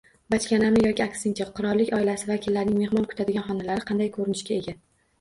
Bachkanami yoki aksincha: Qirollik oilasi vakillarining mehmon kutadigan xonalari qanday ko‘rinishga ega?